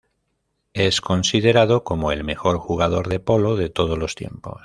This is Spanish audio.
Es considerado como el mejor jugador de polo de todos los tiempos.